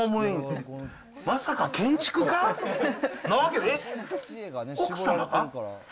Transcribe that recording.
まさか建築家？え？